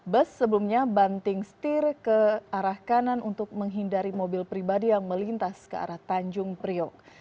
bus sebelumnya banting setir ke arah kanan untuk menghindari mobil pribadi yang melintas ke arah tanjung priok